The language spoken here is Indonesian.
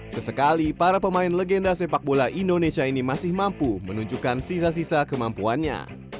sesekali para pemain legenda sepak bola indonesia ini masih mampu menunjukkan sisa sisa kemampuannya